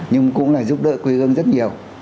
nhưng cũng là giúp đỡ quê hương rất nhiều